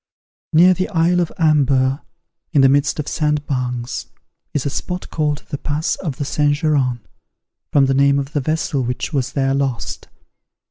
Near the isle of Amber, in the midst of sandbanks, is a spot called The Pass of the Saint Geran, from the name of the vessel which was there lost.